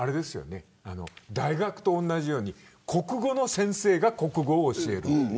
大学と同じように国語の先生が国語を教える。